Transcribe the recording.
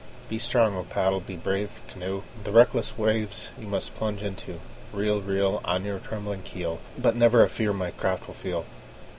Be strong, O paddle! be brave, canoe! The reckless waves you must plunge into. Reel, reel. On your trembling keel, But never a fear my craft will feel.